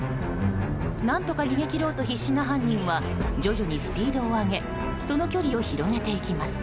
何とか逃げ切ろうと必死な犯人は徐々にスピードを上げその距離を広げていきます。